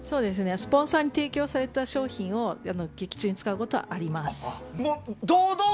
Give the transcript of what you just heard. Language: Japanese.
スポンサーに提供された商品を劇中に使うことはあります。